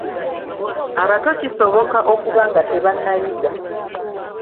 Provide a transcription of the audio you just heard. Abato kisoboka okuba nga tebannayiga.